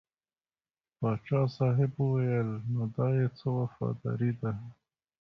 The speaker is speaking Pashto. پاچا صاحب وویل نو دا یې څه وفاداري ده.